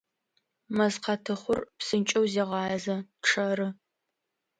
Мэзкъатыхъур псынкӏэу зегъазэ, чъэры.